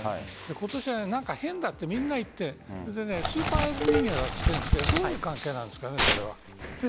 今年はなんか変だとみんな言ってスーパーエルニーニョだと言っているんですがどんな関係なんですかね。